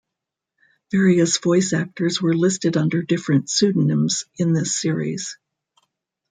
Various voice actors were listed under different pseudonyms in this series.